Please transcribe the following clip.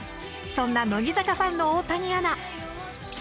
そんな乃木坂ファンの大谷アナ